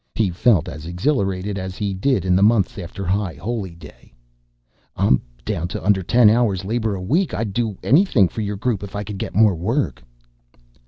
He felt as exhilarated as he did in the months after High Holy Day. "I'm down to under ten hours labor a week. I'd do anything for your group if I could get more work."